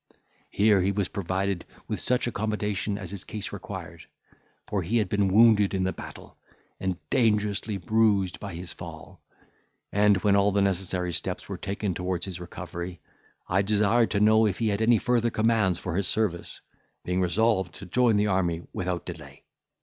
Here he was provided with such accommodation as his case required; for he had been wounded in the battle, and dangerously bruised by his fall, and, when all the necessary steps were taken towards his recovery, I desired to know if he had any further commands for his service, being resolved to join the army without delay.